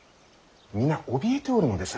皆おびえておるのです。